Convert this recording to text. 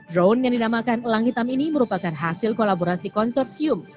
drone yang dinamakan elang hitam ini merupakan hasil kolaborasi konsorsium